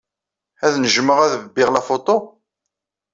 Ad nejjmeɣ ad bbiɣ la photo?